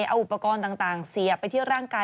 เอาอุปกรณ์ต่างเสียบไปที่ร่างกาย